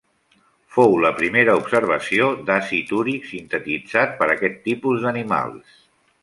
Fou la primera observació d'àcid úric sintetitzat per aquest tipus d'animals.